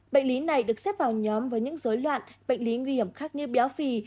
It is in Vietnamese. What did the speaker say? bệnh lý này được xếp vào nhóm với những dối loạn bệnh lý nguy hiểm khác như béo phì